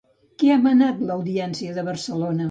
Què ha manat l'Audiència de Barcelona?